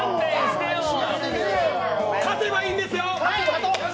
勝てばいいんですよ！